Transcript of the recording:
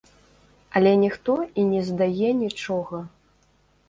Але ніхто і не здае нічога.